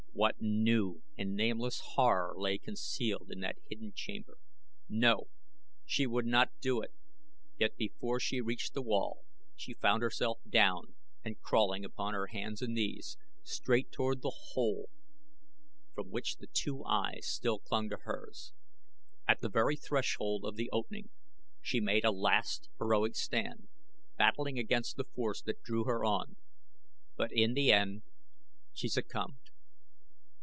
What new and nameless horror lay concealed in that hidden chamber? No! she would not do it. Yet before she reached the wall she found herself down and crawling upon her hands and knees straight toward the hole from which the two eyes still clung to hers. At the very threshold of the opening she made a last, heroic stand, battling against the force that drew her on; but in the end she succumbed.